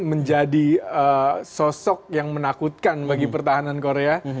menjadi sosok yang menakutkan bagi pertahanan korea